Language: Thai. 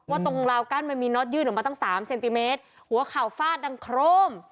ตรงราวกั้นมันมีน็อตยื่นออกมาตั้งสามเซนติเมตรหัวเข่าฟาดดังโครม